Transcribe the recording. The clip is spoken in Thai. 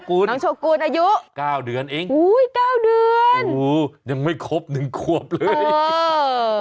อู้ย๙เดือนอู้ยยังไม่ครบ๑ควบเลย